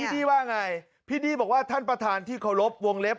ดี้ว่าไงพี่นี่บอกว่าท่านประธานที่เคารพวงเล็บ